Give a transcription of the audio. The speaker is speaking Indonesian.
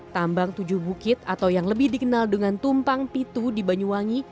tambang tujuh bukit atau yang lebih dikenal dengan tumpang pitu di banyuwangi